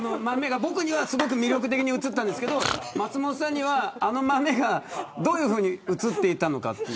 僕にはすごく魅力的に映りましたけど松本さんにはあの豆がどういうふうに映っていたのか。